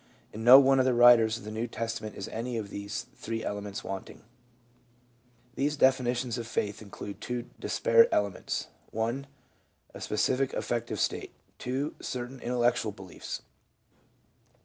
In no one of the writers of the New Testament is any of these three elements wanting." These definitions of Faith include two disparate elements : (1) a specific affective state; (2) certain intellectual beliefs.